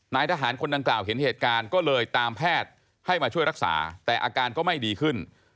นายทหารคนดังกล่าวเห็นเหตุการณ์ก็เลยตามแพทย์ให้มาช่วยรักษาแต่อาการก็ไม่ดีขึ้น